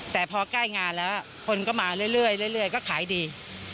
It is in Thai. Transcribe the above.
แต่พอใกล้งานแล้วคนก็มาเรื่อยก็ขายดี